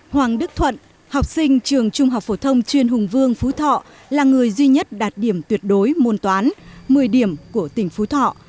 hoàng đức thuận học sinh trường trung học phổ thông chuyên hùng vương phú thọ là người duy nhất đạt điểm tuyệt đối môn toán một mươi điểm của tỉnh phú thọ